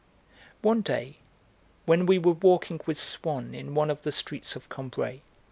One day, when we were walking with Swann in one of the streets of Combray, M.